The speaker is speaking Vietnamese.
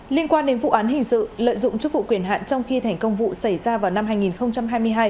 liên quan đến vụ án hình sự lợi dụng chức vụ quyền hạn trong khi thành công vụ xảy ra vào năm hai nghìn hai mươi hai